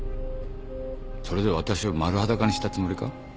それで私を丸裸にしたつもりか？